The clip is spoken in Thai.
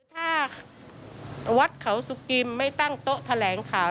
ถ้าวัดเขาสุกิมไม่ตั้งโต๊ะแถลงข่าว